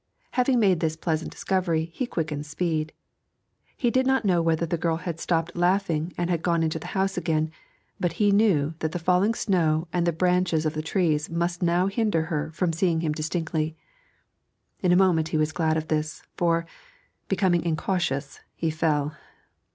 Having made this pleasant discovery he quickened speed. He did not know whether the girl had stopped laughing and had gone into the house again, but he knew that the falling snow and the branches of the trees must now hinder her from seeing him distinctly. In a moment he was glad of this, for, becoming incautious, he fell.